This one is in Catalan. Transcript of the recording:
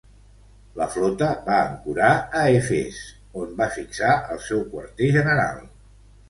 La flota va ancorar a Efes on va fixar el seu quarter general.